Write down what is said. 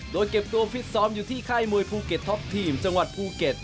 โดยเก็บตัวฟิตซ้อมอยู่ที่ค่ายมวยภูเก็ตท็อปทีมจังหวัดภูเก็ต